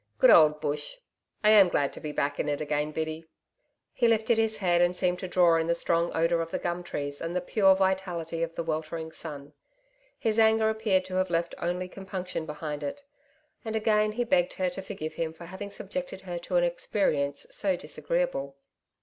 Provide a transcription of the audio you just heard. Good old Bush! I am glad to be back in it again, Biddy.' He lifted his head and seemed to draw in the strong odour of the gum trees and the pure vitality of the weltering sun. His anger appeared to have left only compunction behind it. And again he begged her to forgive him for having subjected her to an experience so disagreeable.